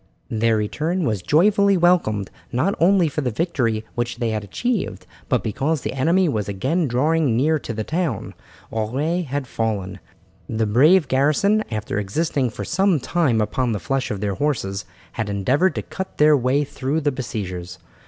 Their return was joyfully welcomed, not only for the victory which they had achieved, but because the enemy was again drawing near to the town. Auray had fallen. The brave garrison, after existing for some time upon the flesh of their horses, had endeavoured to cut their way through the besiegers.